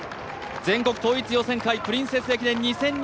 全国統一予選会、プリンセス駅伝２０２２。